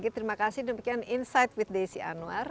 terima kasih demikian insight with desi anwar